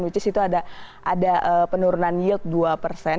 which is itu ada penurunan yield dua persen